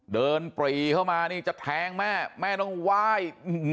ปรีเข้ามานี่จะแทงแม่แม่ต้องไหว้